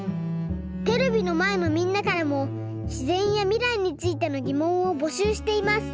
テレビのまえのみんなからもしぜんやみらいについてのぎもんをぼしゅうしています。